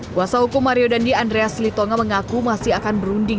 kuasa hukum mario dandi andreas litonga mengaku masih akan berunding